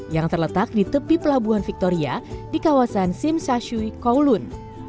yang terletak di tepi pelabuhan victoria di kawasan simsasyui kolun